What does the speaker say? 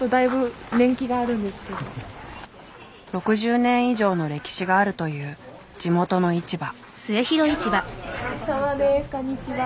６０年以上の歴史があるという地元の市場。